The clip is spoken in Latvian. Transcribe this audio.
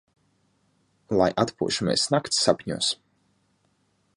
Lai atpūšamies nakts sapņos!